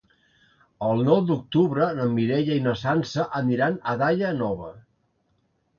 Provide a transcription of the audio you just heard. El nou d'octubre na Mireia i na Sança aniran a Daia Nova.